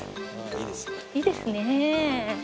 いいですね。